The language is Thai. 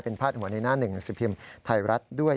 เป็นพัดหัวในหน้า๑สิพิมพ์ไทรรัฐด้วย